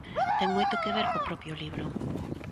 Ten moito que ver co propio libro.